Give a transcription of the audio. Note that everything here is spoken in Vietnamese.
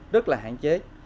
rất là hạn chế